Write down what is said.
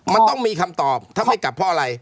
มันต้องมีคำตอบถ้าไม่กลับเพราะอะไร